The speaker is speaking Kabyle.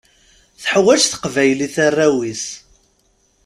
Teḥwaǧ teqbaylit arraw-is.